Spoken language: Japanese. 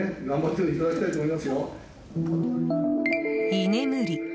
居眠り。